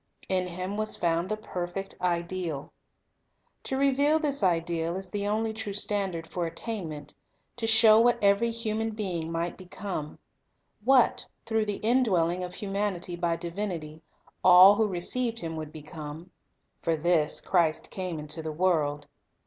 In Him was found the perfect ideal. To reveal this ideal as the only true standard for attainment; to show what every human being might >Isa. 9:6. (73) 74 The Master Teacher become; what, through the indwelling of humanity by divinity, all who received Him would become, — for this, Christ came to the world.